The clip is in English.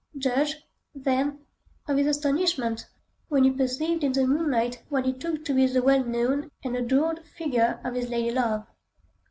Judge, then, of his astonishment, when he perceived in the moonlight what he took to be the well known and adored figure of his lady love.